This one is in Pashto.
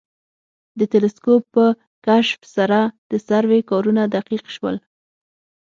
د تلسکوپ په کشف سره د سروې کارونه دقیق شول